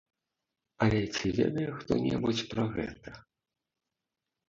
Але ці ведае хто-небудзь пра гэта?